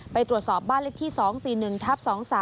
ไปตรวจสอบบ้านเลขที่๒๔๑ทับ๒๓